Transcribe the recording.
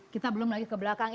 kita belum lagi ke belakang